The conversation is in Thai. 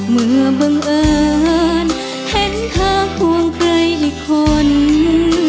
เมื่อบังเอิญเห็นเธอควงใกล้อีกคน